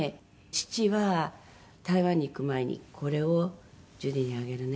父は台湾に行く前に「これをジュディにあげるね。